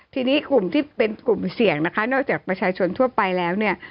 ทีนี้กลุ่มที่เป็นกลุ่มเสี่ยงนะคะนอกจากประชาชนทั่วไปแล้วเนี่ย